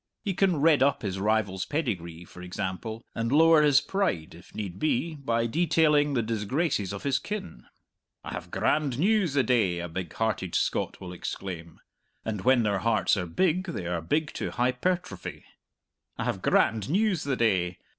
He can redd up his rival's pedigree, for example, and lower his pride (if need be) by detailing the disgraces of his kin. "I have grand news the day!" a big hearted Scot will exclaim (and when their hearts are big they are big to hypertrophy) "I have grand news the day!